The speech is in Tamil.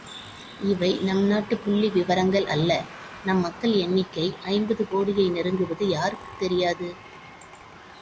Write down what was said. இவை நம் நாட்டுப் புள்ளி விவரங்கள் அல்ல நம் மக்கள் எண்ணிக்கை ஐம்பது கோடியை நெருங்குவது யாருக்குத் தெரியாது!